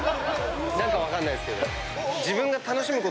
何か分かんないですけど。